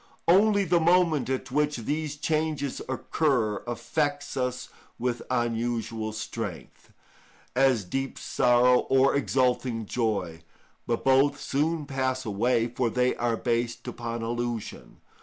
Only the moment at which these changes occur affects us with unusual strength, as deep sorrow or exulting joy, but both soon pass away, for they are based upon illusion.